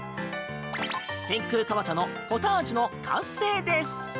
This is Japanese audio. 天空かぼちゃのポタージュの完成です！